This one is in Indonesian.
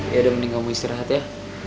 ya udah mending kamu istirahat ya